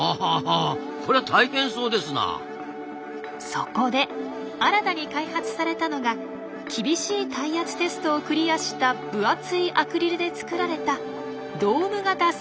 そこで新たに開発されたのが厳しい耐圧テストをクリアした分厚いアクリルで造られたドーム型潜水艇です。